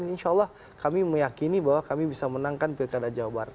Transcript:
insya allah kami meyakini bahwa kami bisa menangkan pilkada jawa barat